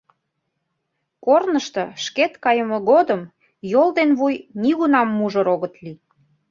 Корнышто шкет кайыме годым йол ден вуй нигунам мужыр огыт лий.